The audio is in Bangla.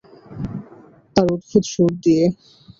আর অদ্ভুত সূর দিয়ে।